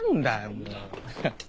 もう。